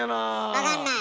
分かんない？